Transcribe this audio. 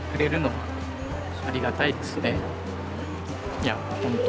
いや本当。